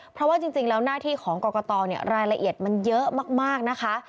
เพราะว่าจริงแล้วหน้าที่ของกรกตรายละเอียดมันเยอะมากนะคะ